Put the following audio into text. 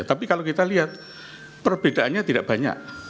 tapi kalau kita lihat perbedaannya tidak banyak